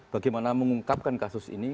bagaimana mengungkapkan kasus ini